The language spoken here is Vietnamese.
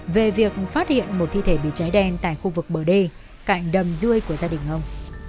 về việc phát hiện một thi thể bị cháy đen tại khu vực bờ đê cạnh đầm rui của gia đình ông